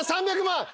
３００万。